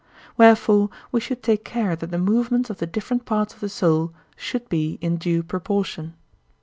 Wherefore we should take care that the movements of the different parts of the soul should be in due proportion.